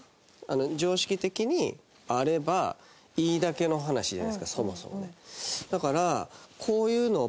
常識的にあればいいだけの話じゃないですかそもそもね。